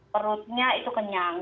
perutnya itu kenyang